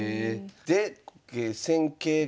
で戦型が？